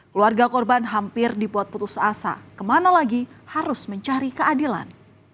keluarga korban hampir dibuat putus asa kemana lagi harus mencari keadilan